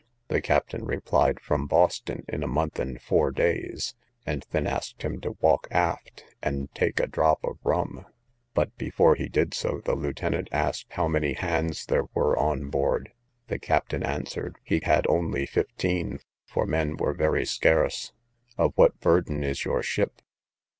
The captain replied, from Boston, in a month and four days; and then asked him to walk aft, and take a drop of rum; but, before he did so, the lieutenant asked how many hands there were on board. The captain answered, he had only fifteen, for men were very scarce. Of what burden is your ship?